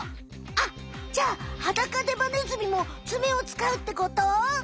あっじゃあハダカデバネズミもツメをつかうってこと？